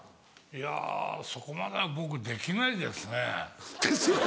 いやそこまでは僕できないですね。